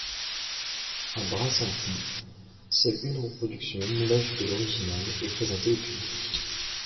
A Brassempouy, seule une reproduction, moulage de l'original, est présentée au public.